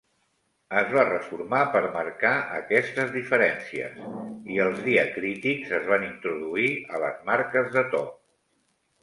Es va reformar per marcar aquestes diferències, i els diacrítics es van introduir a les marques de to.